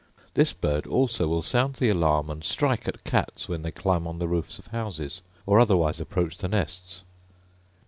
This bird also will sound the alarm, and strike at cats when they climb on the roofs of houses, or otherwise approach the nests.